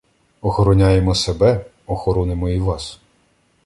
Охороняємо себе — охоронимо і вас.